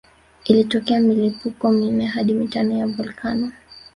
Ilitokea milipuko minne hadi mitano ya volkano